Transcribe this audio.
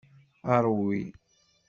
Rwi.